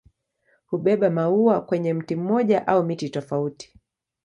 Hubeba maua kwenye mti mmoja au miti tofauti.